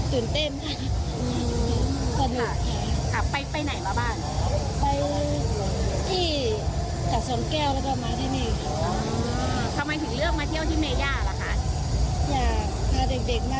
หนึ่งในเช่าเชียงใหม่ที่มาเที่ยวที่บริเวณหน้าห้างเมยาท์ค่ะ